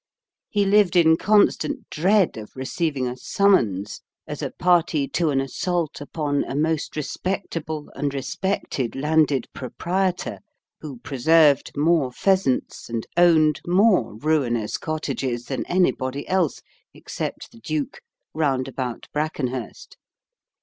He lived in constant dread of receiving a summons as a party to an assault upon a most respectable and respected landed proprietor who preserved more pheasants and owned more ruinous cottages than anybody else (except the duke) round about Brackenhurst.